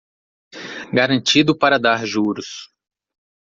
Garantido para dar juros